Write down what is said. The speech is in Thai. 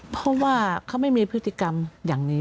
เพราะว่าเขาไม่มีพฤติกรรมอย่างนี้